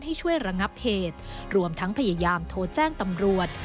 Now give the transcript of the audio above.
ให้ช่วยระงับเหตุรวมทั้งพยายามโทรแจ้งตำรวจ